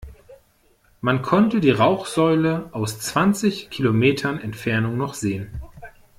Man konnte die Rauchsäule aus zwanzig Kilometern Entfernung noch sehen.